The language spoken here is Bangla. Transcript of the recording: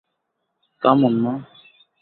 কাম অন মা।